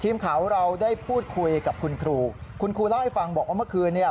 ทีมข่าวของเราได้พูดคุยกับคุณครูคุณครูเล่าให้ฟังบอกว่าเมื่อคืนเนี่ย